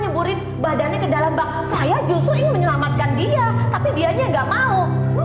nyemburin badannya ke dalam bak saya justru ingin menyelamatkan dia tapi dianya enggak mau